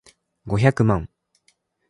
五百万